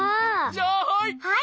じゃあはい！